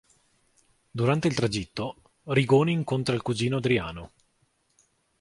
Durante il tragitto, Rigoni incontra il cugino Adriano.